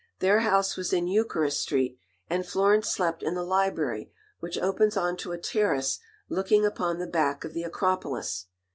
Their house was in Eucharis Street, and Florence "slept in the library, which opens on to a terrace looking upon the back of the Acropolis."